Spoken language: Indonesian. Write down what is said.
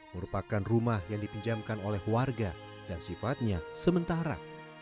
merupakan rumah yang dipinjamkan oleh warga dan sifatnya sementara